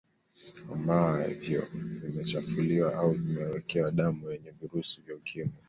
Ambavyo vimechafuliwa au vimewekewa damu yenye virusi vya Ukimwi